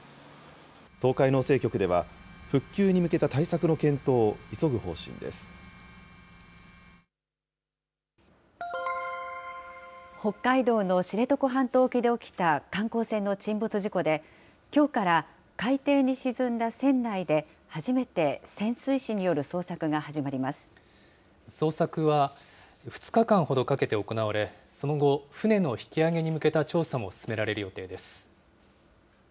東海農政局では、復旧に向けた対北海道の知床半島沖で起きた観光船の沈没事故で、きょうから海底に沈んだ船内で、初めて潜水捜索は、２日間ほどかけて行われ、その後、船の引き揚げに向けた調査も進められる予定です。